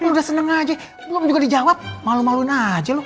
hei lu udah seneng aja belum juga dijawab malu maluin aja lu